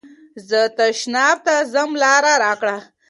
زه تشناب ته ځم لاره راکړه.